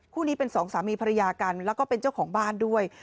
คู่นี้เป็นสองสามีภรรยากันแล้วก็เป็นเจ้าของบ้านด้วย